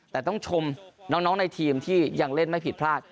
แต่ต้องชมน้องในทีมที่ยังเล่นไม่ผิดพลาด